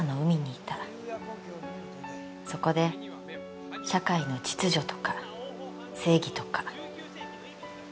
そこで社会の秩序とか正義とか。